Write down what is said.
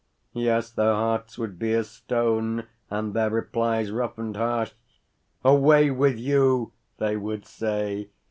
Yes, their hearts would be as stone, and their replies rough and harsh. "Away with you!" they would say.